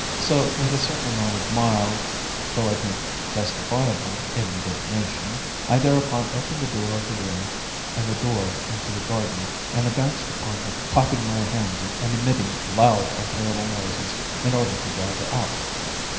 So with a certain amount of mild, though I think, justifiable indignation, I thereupon opened the door of the room and the door into the garden, and advanced upon her clapping my hands and emitting loud and terrible noises in order to drive her out.